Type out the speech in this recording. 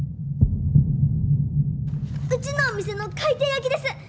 うちのお店の回転焼きです！